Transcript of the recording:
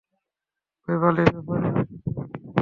ওই বালির ব্যাপারে আর কিছু?